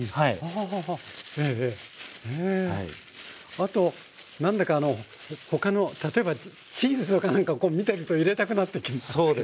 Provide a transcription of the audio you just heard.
あと何だか他の例えばチーズとか何かを見てると入れたくなってきますけども。